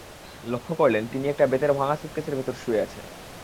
লক্ষ করলেন, তিনি একটা বেতের ভাঙা সুটকেসের ভেতর শুয়ে আছেন।